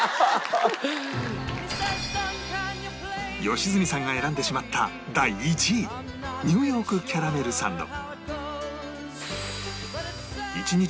良純さんが選んでしまった第１位 Ｎ．Ｙ． キャラメルサンド